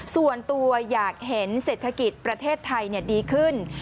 ส่วนตัวอยากเห็นเศรษฐกิจประเทศไทยดีขึ้น